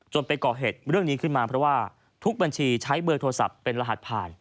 ไปก่อเหตุเรื่องนี้ขึ้นมาเพราะว่าทุกบัญชีใช้เบอร์โทรศัพท์เป็นรหัสผ่าน